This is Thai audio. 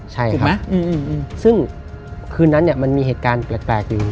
ใช่ครับถูกไหมอืมอืมอืมซึ่งคืนนั้นเนี้ยมันมีเหตุการณ์แปลกแปลกอยู่